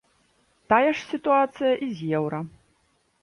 Тая ж сітуацыя і з еўра.